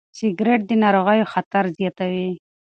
سګرېټ د ناروغیو خطر زیاتوي.